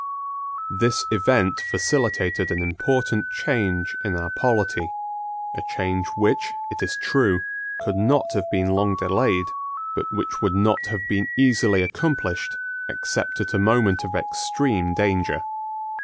This event facilitated an important change in our polity, a change which, it is true, could not have been long delayed, but which would not have been easily accomplished except at a moment of extreme danger.